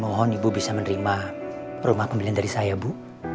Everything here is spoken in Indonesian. mohon ibu bisa menerima rumah pembelian dari saya bu